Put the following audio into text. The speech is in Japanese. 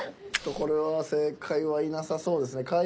これは正解はいなさそうですね。